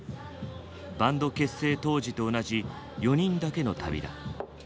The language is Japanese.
バンド結成当時と同じ４人だけの旅だ。